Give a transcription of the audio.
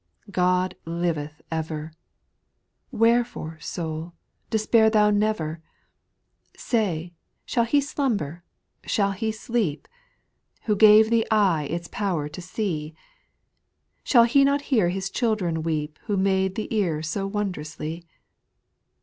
2. God liveth ever I Wherefore, soul, despair thou never I Say, shall He slumber, shall He sleep, Who gave the eye its power to see ? Shall He not hear his children weep Who made the ear so wondrously